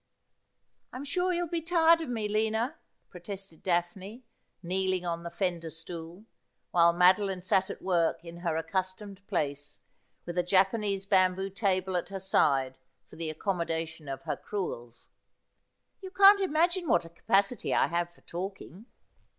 ' I'm sure you'll be tired of me, Lina,' protested Daphne, kneeling on the fender stool, while Madoline sat at work in her accustomed place, with a Japanese bamboo table at her side for the accommodation of her crewels. ' You can't imagine what a capacity I have for talking.'